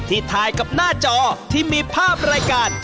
ถ่ายกับหน้าจอที่มีภาพรายการ